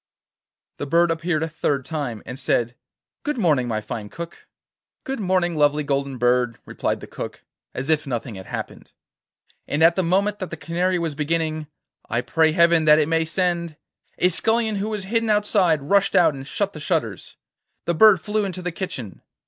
The bird appeared a third time, and said: 'Good morning, my fine Cook.' 'Good morning, lovely Golden Bird,' replied the Cook, as if nothing had happened, and at the moment that the Canary was beginning, 'I pray Heaven that it may send,' a scullion who was hidden outside rushed out and shut the shutters. The bird flew into the kitchen.